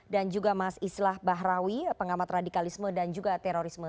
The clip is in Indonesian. dan juga mas islah bahrawi pengamat radikalisme dan juga terorisme